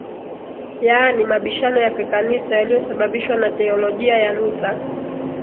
yaani mabishano ya Kikanisa yaliyosababishwa na teolojia ya Luther